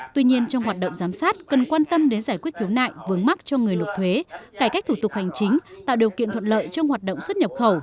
tuy nhiên trong hoạt động giám sát cần quan tâm đến giải quyết thiếu nại vướng mắc cho người lục thuế